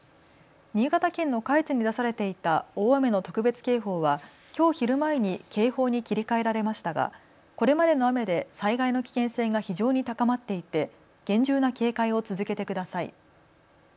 新潟県の下越に出されていた大雨の特別警報はきょう昼前に警報に切り替えられましたがこれまでの雨で災害の危険性が非常に高まっていて厳重な警戒を続けてください。